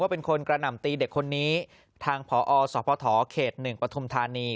เป็นคนกระหน่ำตีเด็กคนนี้ทางพอสพเขต๑ปฐุมธานี